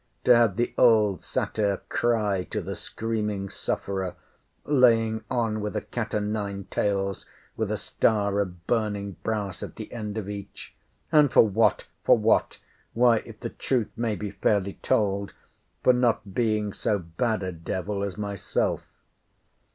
to have the old satyr cry to the screaming sufferer, laying on with a cat o' nine tails, with a star of burning brass at the end of each: and, for what! for what!— Why, if the truth may be fairly told, for not being so bad a devil as myself.